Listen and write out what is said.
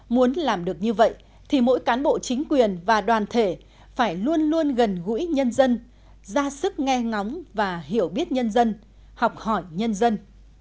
muốn làm được như vậy thì mỗi cán bộ chính quyền và đoàn thể phải luôn luôn gần gũi nhân dân ra sức nghe ngóng và hiểu biết nhân dân học hỏi nhân dân